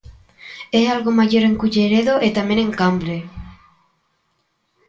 É algo maior en Culleredo e tamén en Cambre.